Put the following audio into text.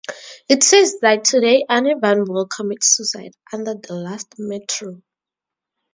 It says that today Anirban will commit suicide under the last Metro.